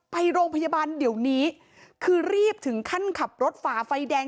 ไปโรงพยาบาลเดี๋ยวนี้คือรีบถึงขั้นขับรถฝ่าไฟแดง